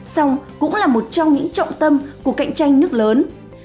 xong cũng là một trong những trọng tâm của cạnh tranh nước lớn